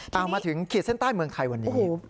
ตามมาถึงขีดเส้นใต้เมืองไทยวันนี้